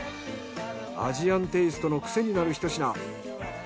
アジアンテイストのクセになるひと品。